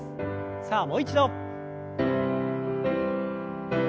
さあもう一度。